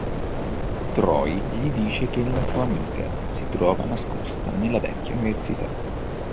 Troy gli dice che la sua amica si trova nascosta nella vecchia università.